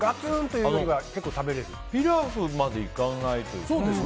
ピラフまでいかないというか。